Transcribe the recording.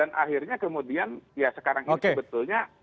dan akhirnya kemudian ya sekarang ini sebetulnya